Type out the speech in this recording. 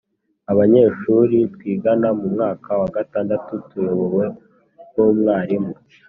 abanyeshuri twigana mu mwaka wa gatandatu tuyobowe n’umwarimu